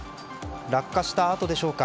落下した跡でしょうか。